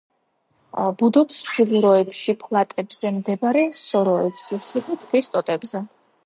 ბუდობს ფუღუროებში, ფლატეებზე მდებარე სოროებში, იშვიათად ხის ტოტებზე.